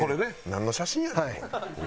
なんの写真やねん？